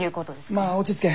まあ落ち着け。